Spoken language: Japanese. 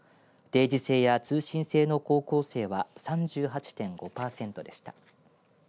定時制や通信制の高校生は３８．５パーセントでした。